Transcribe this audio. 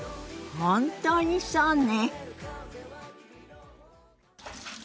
本当にそうね。